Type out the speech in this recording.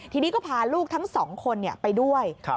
ทีนี้ก็พาลูกทั้ง๒คนไปด้วย